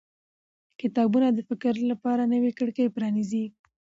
کتابونه د فکر لپاره نوې کړکۍ پرانیزي